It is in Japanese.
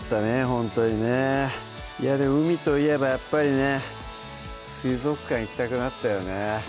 ほんとにねいやでも海といえばやっぱりね水族館行きたくなったよね